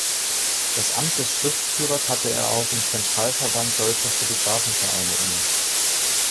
Das Amt des Schriftführers hatte er auch im „Zentralverband Deutscher Photographen-Vereine“ inne.